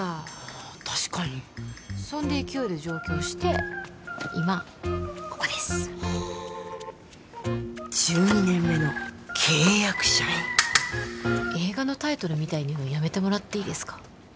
あ確かにそんで勢いで上京して今ここですはあ映画のタイトルみたいに言うのやめてもらっていいですか？